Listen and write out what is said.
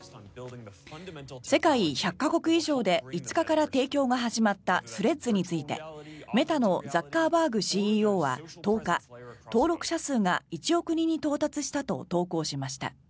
世界１００か国以上で５日から提供が始まったスレッズについてメタのザッカーバーグＣＥＯは１０日登録者数が１億人に到達したと投稿しました。